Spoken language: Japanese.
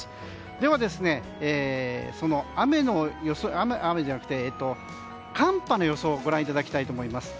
では、寒波の予想をご覧いただきたいと思います。